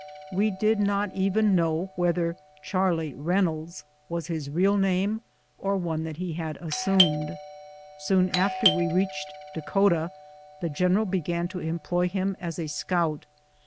We did not even know whether Charley Reyn olds was his real name or one that he had assumed. Soon after we reached Dakota the general began to em ploy him as a scout.